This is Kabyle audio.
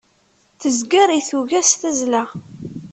Tezger i tuga s tazzla.